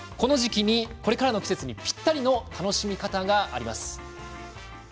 これからの季節に、ぴったりの楽しみ方があります。